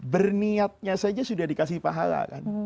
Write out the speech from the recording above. berniatnya saja sudah dikasih pahala kan